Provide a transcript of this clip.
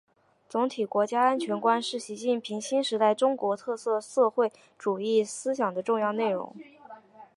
总体国家安全观是习近平新时代中国特色社会主义思想的重要内容